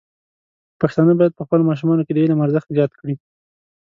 پښتانه بايد په خپلو ماشومانو کې د علم ارزښت زیات کړي.